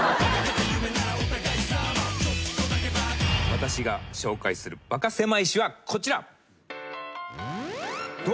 私が紹介するバカせまい史はこちら。